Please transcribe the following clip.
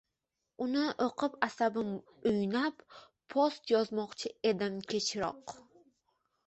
Uni o‘qib asabim o‘ynab, post yozmoqchi edim kechroq.